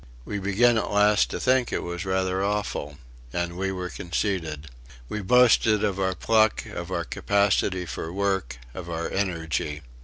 We began at last to think it was rather awful. And we were conceited! We boasted of our pluck, of our capacity for work, of our energy.